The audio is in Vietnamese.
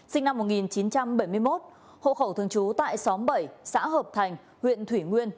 sinh năm một nghìn chín trăm bảy mươi một hộ khẩu thường trú tại xóm bảy xã hợp thành huyện thủy nguyên